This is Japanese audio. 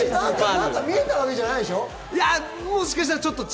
何か見えてたわけじゃないでしょ？